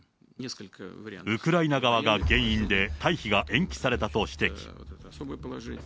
ウクライナ側が原因で退避が延期されたと指摘。